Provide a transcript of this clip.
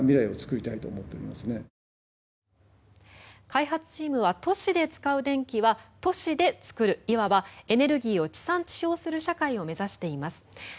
開発チームは都市で使う電気は都市で作る、いわばエネルギーを地産地消する社会を目指しています。